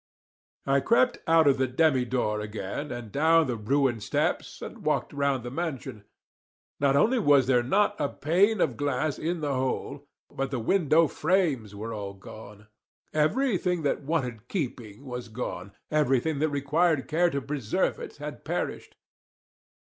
I crept out of the demi door again, and down the ruined steps, and walked round the mansion; not only was there not a pane of glass in the whole, but the window frames were all gone; everything that wanted keeping was gone; everything that required care to preserve it had perished.